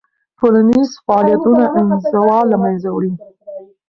ټولنیز فعالیتونه انزوا له منځه وړي.